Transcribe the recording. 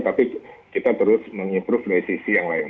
tapi kita terus mengimprove dari sisi yang lain